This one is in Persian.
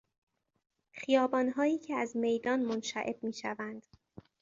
خیابانهایی که از میدان منشعب می شوند